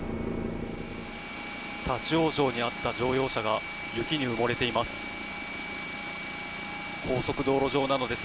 立ち往生に遭った乗用車が雪に埋もれています。